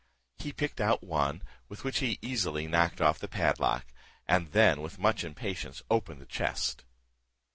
He picked out one, with which he easily knocked off the padlock, and then with much impatience opened the chest.